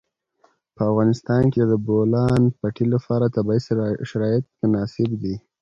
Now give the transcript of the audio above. په افغانستان کې د د بولان پټي لپاره طبیعي شرایط مناسب دي.